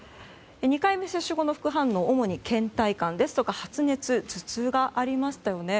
２回目接種後の副反応主に倦怠感ですとか発熱、頭痛がありましたよね。